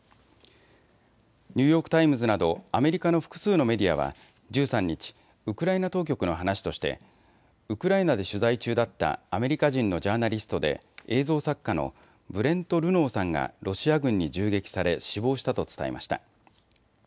ニューヨーク・タイムズなどアメリカの複数のメディアは１３日、ウクライナ当局の話としてウクライナで取材中だったアメリカ人のジャーナリストで映像作家のブレント・ルノーさんがロシア軍に銃撃され死亡したと伝えました。